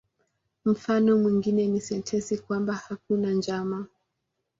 Mfano mwingine ni sentensi kwamba "hakuna njama".